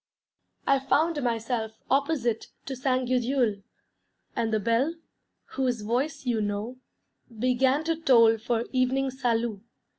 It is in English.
I found myself opposite to Ste. Gudule; and the bell, whose voice you know, began to toll for evening salût.